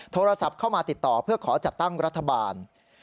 โทรศัพท์เข้ามาติดต่อเพื่อขอจัดตั้งรัฐบาล